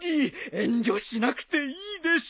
遠慮しなくていいでしょう。